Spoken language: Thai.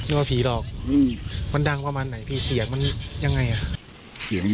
หลมหลมหลม